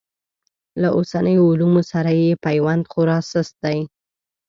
له اوسنیو علومو سره یې پیوند خورا سست دی.